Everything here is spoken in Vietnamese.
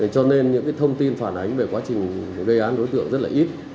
cho nên những thông tin phản ánh về quá trình gây án đối tượng rất là ít